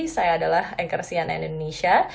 saya adalah ekersian indonesia